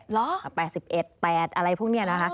หรอประมาณ๘๑๘อะไรพวกนี้แหละคะ